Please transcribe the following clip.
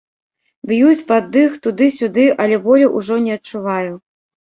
Б'юць пад дых, туды-сюды, але болю ўжо не адчуваю.